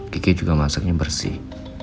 kiki juga masaknya bersih